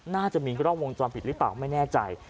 น่าจะมีกล้องวงจรปิดหรือเปล่าไม่แน่ใจ